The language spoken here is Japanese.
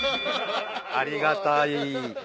ありがたい。